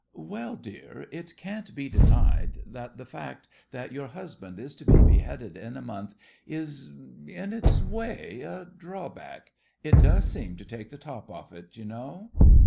Well, dear, it can't be denied that the fact that your husband is to be beheaded in a month is, in its way, a drawback. It does seem to take the top off it, you know.